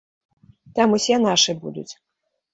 Там усе нашы будуць.